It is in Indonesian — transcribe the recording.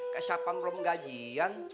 kayak siapa belum ngajian